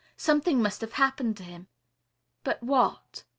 Something must have happened to him. But what?